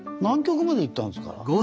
南極まで行ったんですから。